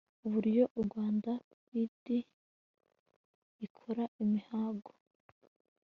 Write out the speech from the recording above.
uburyo rwanda fda ikora imihigo